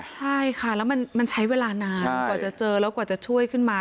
ใช่ค่ะแล้วมันใช้เวลานานกว่าจะเจอแล้วกว่าจะช่วยขึ้นมา